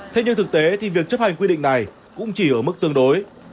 thế nhưng thực tế thì việc chấp hành quy định này cũng chỉ ở mức tương đối